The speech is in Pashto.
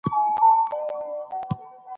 ددغه خلکو په كار، كار مه لره